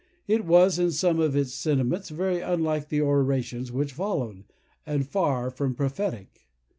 It was, in some of its sentiments, very unlike the orations which followed, and far from prophetic.